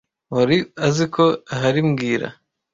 Wari aziko ahari mbwira